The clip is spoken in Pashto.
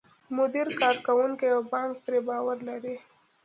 مدیر، کارکوونکي او بانک پرې باور لري.